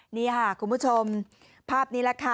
นี่ค่ะคุณผู้ชมภาพนี้แหละค่ะ